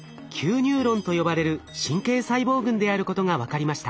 ニューロンと呼ばれる神経細胞群であることが分かりました。